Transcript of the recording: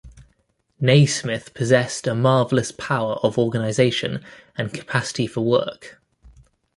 Nasmith possessed a marvelous power of organization and capacity for work.